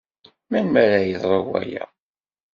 Melmi ara yeḍru waya?